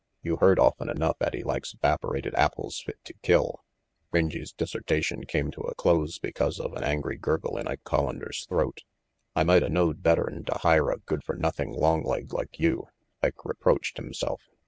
You heard often enough 'at he likes 'vaporated apples fit to kill " Rangy's dissertation came to a close because of an angry gurgle in Ike Collander's throat. "I might a knowed better'n to hire a good for nothing long leg like you," Ike reproached himself.